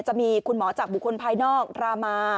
จะมีคุณหมอจากบุคคลภายนอกรามา